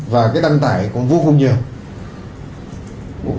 và cái đăng tải còn vô cùng nhiều